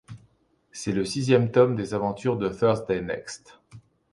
C'est le sixième tome des aventures de Thursday Next.